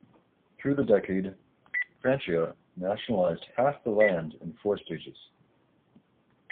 Through the decade, Francia nationalised half the land in four stages.